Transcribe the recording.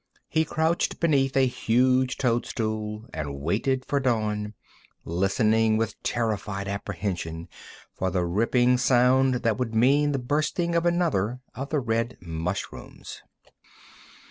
He crouched beneath a huge toadstool and waited for dawn, listening with terrified apprehension for the ripping sound that would mean the bursting of another of the red mushrooms.